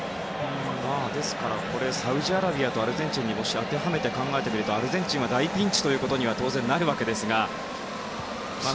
ですから、これをサウジアラビアとアルゼンチンにもし、当てはめて考えるとアルゼンチンは大ピンチということになるわけですが。